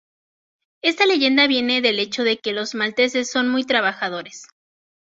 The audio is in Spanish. Esta leyenda viene del hecho de que los malteses son muy trabajadores.